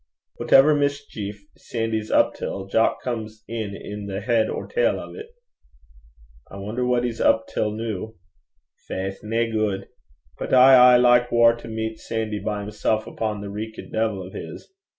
'Whatever mischeef Sandy's up till, Jock comes in i' the heid or tail o' 't.' 'I wonner what he's up till noo.' 'Faith! nae guid. But I aye like waur to meet Sandy by himsel' upo' that reekit deevil o' his.